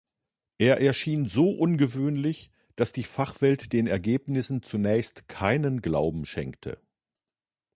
Er erschien so ungewöhnlich, dass die Fachwelt den Ergebnissen zunächst keinen Glauben schenkte.